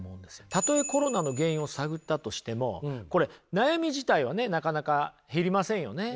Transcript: たとえコロナの原因を探ったとしてもこれ悩み自体はねなかなか減りませんよね。